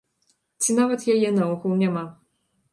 Ці нават яе наогул няма.